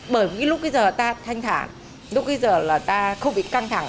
bởi vì lúc cái giờ ta thanh thản lúc cái giờ là ta không bị căng thẳng